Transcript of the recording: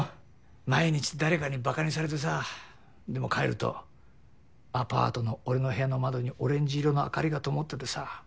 毎日誰かにばかにされてさでも帰るとアパートの俺の部屋の窓にオレンジ色の明かりがともっててさ。